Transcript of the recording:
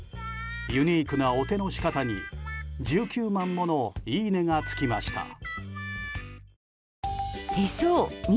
ユニークなお手の仕方に１９万ものいいねがつきました。